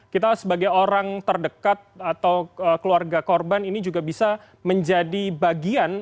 kita sebagai orang terdekat atau keluarga korban ini juga bisa menjadi bagian